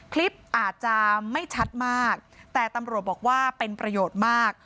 คลิปอาจจะไม่ชัดมากแต่ตำรวจบอกว่าเป็นประโยชน์มาก